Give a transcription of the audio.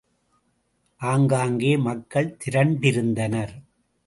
ஆங்காங்கே மக்கள் திரண்டிருந்தனர்.